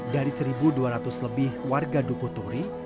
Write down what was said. dari satu dua ratus lebih warga duku turi